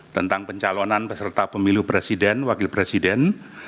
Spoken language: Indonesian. tentang pencalonan peserta pemilu presiden wakil presiden